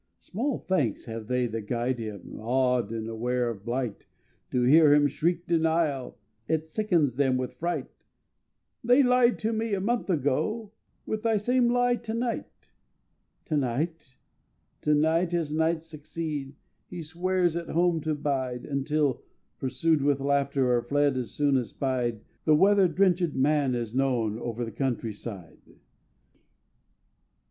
Small thanks have they that guide him, Awed and aware of blight; To hear him shriek denial It sickens them with fright: "They lied to me a month ago With thy same lie to night!" To night, to night, as nights succeed, He swears at home to bide, Until, pursued with laughter Or fled as soon as spied, The weather drenchèd man is known Over the country side!